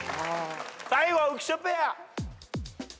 最後は浮所ペア。